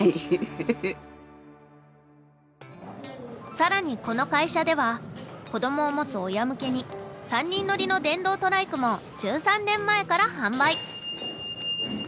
更にこの会社では子どもを持つ親向けに３人乗りの電動トライクも１３年前から販売。